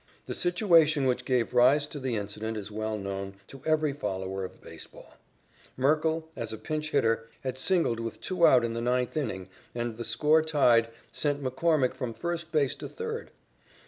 The situation which gave rise to the incident is well known to every follower of baseball. Merkle, as a pinch hitter, had singled with two out in the ninth inning and the score tied, sending McCormick from first base to third.